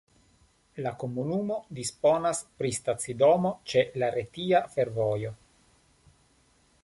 La komunumo disponas pri stacidomo ĉe la Retia Fervojo.